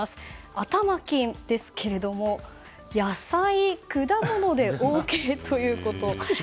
頭金ですが野菜・果物でＯＫということ。